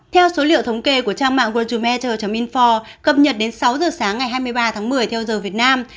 theo số liệu thống kê của trang mạng worldum mettel info cập nhật đến sáu giờ sáng ngày hai mươi ba tháng một mươi theo giờ việt nam